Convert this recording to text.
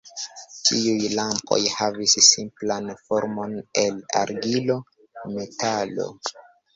Tiuj lampoj havis simplan formon el argilo, metalo.